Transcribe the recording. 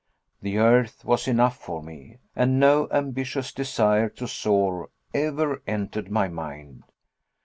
The earth was enough for me, and no ambitious desire to soar ever entered my mind.